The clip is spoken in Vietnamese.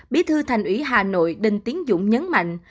bí thư thành ủy hà nội đinh tiến dũng nhấn mạnh